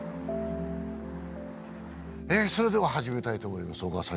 それでは始めたいと思います小川さん